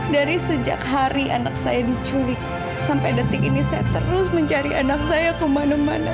dari sejak hari anak saya diculik sampai detik ini saya terus mencari anak saya kemana mana